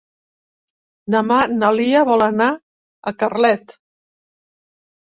Demà na Lia vol anar a Carlet.